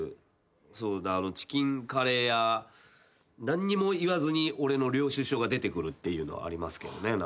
何にも言わずに俺の領収書が出てくるっていうのはありますけどね。